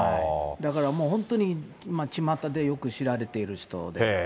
だからもう、本当に巷でよく知られている人で。